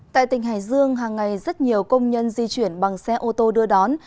tại tỉnh hải dương hàng ngày rất nhiều công nhân di chuyển bằng xe ô tô đưa đón